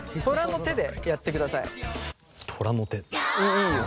いいよ。